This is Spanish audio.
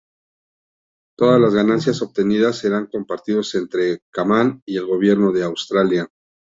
Todas las ganancias obtenidas serán compartidos entre Kaman y el Gobierno de Australia.